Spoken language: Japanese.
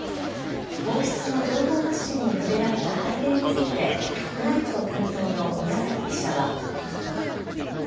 皇室の情報発信に触れられた背景について、宮内庁担当の宮崎記者は。